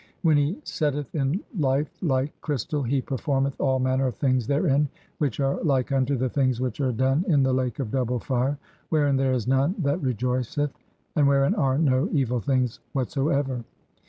When he setteth in life like (19) "crystal he performeth all manner of things therein which are "like unto the things which are done in the Lake of double "Fire, wherein there is none that rejoiceth, and wherein are no "evil things whatsoever.